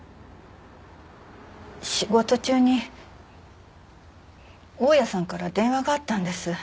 仕事中に大家さんから電話があったんです。